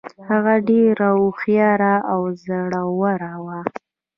هغه ډیره هوښیاره او زړوره وه.